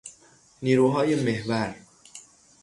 نیروهای محور